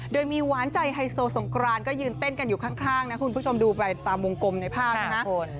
โดยมีหวานใจไฮโซสงกรานก็ยืนเต้นกันอยู่ข้างนะคุณผู้ชมดูไปตามวงกลมในภาพนะฮะ